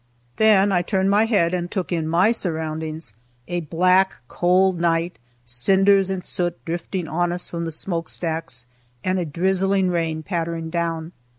Then I turned my head and took in my surroundings! A black, cold night, cinders and soot drifting on us from the smoke stacks, and a drizzling rain pattering down.